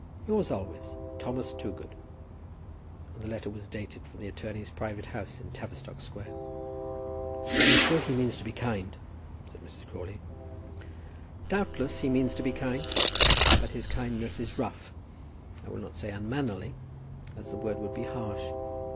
Yours always, THOMAS TOOGOOD." And the letter was dated from the attorney's private house in Tavistock Square. "I am sure he means to be kind," said Mrs. Crawley. "Doubtless he means to be kind. But his kindness is rough; I will not say unmannerly, as the word would be harsh.